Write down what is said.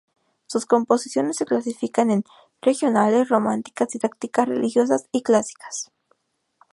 Sus composiciones se clasifican en: Regionales, Románticas, Didácticas, Religiosas y Clásicas.